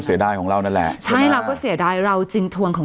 เสียดายของเรานั่นแหละใช่เราก็เสียดายเราจึงทวงของ